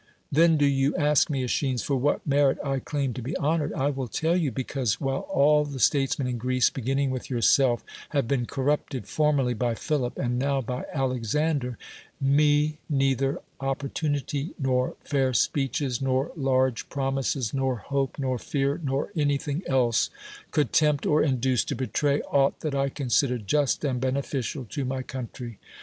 Then do you ask me, .l^schines, for what merit I claim to be honored? I will tell yon. Because, while all the statesmen in Greece, beginning with yourself, have been corrupted formerly by Philip and now by Alexander, me neither opportunity, nor fair speeches, nor large promises, nor hope, nor fear, nor anything else could tempt or induce to betray aught that I considered just and bene ficial to my country.